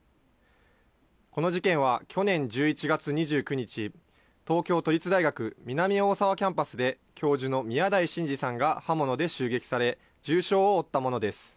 この事件は、去年１１月２９日、東京都立大学南大沢キャンパスで、教授の宮台真司さんが刃物で襲撃され、重傷を負ったものです。